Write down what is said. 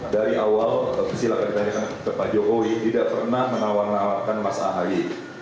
dari awal silakan ditanyakan kepada pak jokowi tidak pernah menawarkan mas ahi